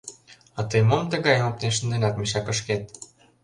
— А тый мом тыгайым оптен шынденат мешакышкет?